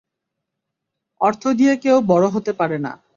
অর্থ দিয়ে কেউ, বড় হতে পারে না।